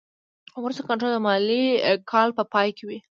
وروستی کنټرول د مالي کال په پای کې وي.